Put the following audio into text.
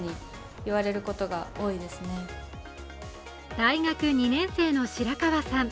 大学２年生の白河さん。